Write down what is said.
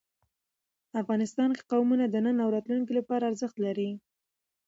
افغانستان کې قومونه د نن او راتلونکي لپاره ارزښت لري.